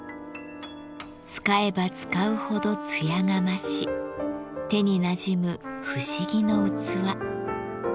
使えば使うほど艶が増し手になじむ不思議の器。